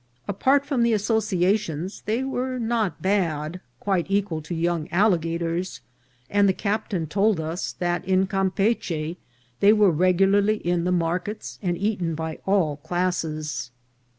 Apart from the associations, they were not bad — quite equal to young alligators ; and the captain told us that in Campeachy they were regularly in the markets, and eaten by all classes.